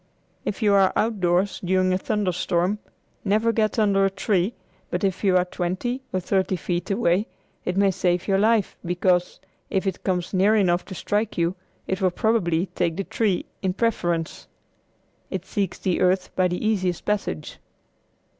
If you are outdoors during a thunder storm never get under a tree, but if you are twenty or thirty feet away it may save your life, because, if it comes near enough to strike you, it will probably take the tree in preference. It seeks the earth by the easiest passage.